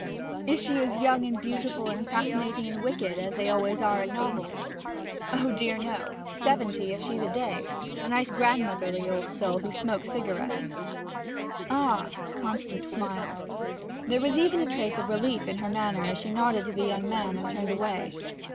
'Is she as young and beautiful and fascinating and wicked as they always are in novels?' 'Oh, dear no! Seventy, if she's a day. A nice grandmotherly old soul who smokes cigarettes.' 'Ah!' Constance smiled; there was even a trace of relief in her manner as she nodded to the young man and turned away.